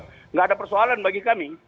tidak ada persoalan bagi kami